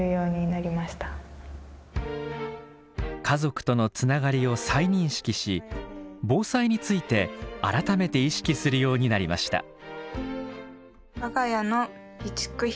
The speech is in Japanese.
家族とのつながりを再認識し防災について改めて意識するようになりました。